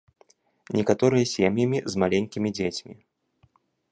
Некаторыя сем'ямі з маленькімі дзецьмі.